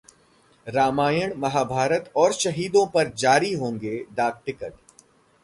रामायण, महाभारत और शहीदों पर जारी होंगे डाक टिकट